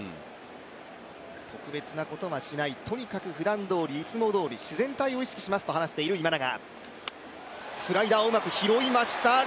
特別なことはしないとにかくふだんどおりいつもどおり自然体を意識しますと話している今永。